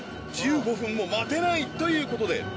１５分も待てないということで］